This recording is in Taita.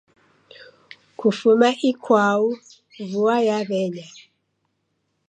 Kufuma ikwau vua yaw'enya